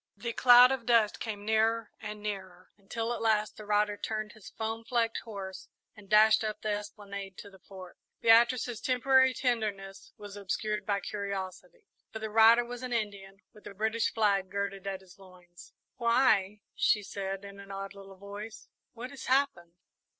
The cloud of dust came nearer and nearer, until at last the rider turned his foam flecked horse and dashed up the esplanade to the Fort. Beatrice's temporary tenderness was obscured by curiosity, for the rider was an Indian, with the British flag girded at his loins. "Why," she said, in an odd little voice, "what has happened!"